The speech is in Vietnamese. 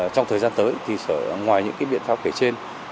trong thời gian tới thì ngoài những biện pháp kể trên